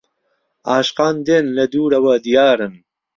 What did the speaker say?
عاشقان دێن لە دوورەوە دیارن